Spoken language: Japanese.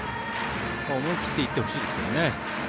思い切っていってほしいですけどね。